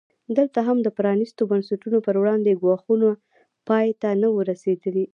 دلته هم د پرانیستو بنسټونو پر وړاندې ګواښونه پای ته نه وو رسېدلي.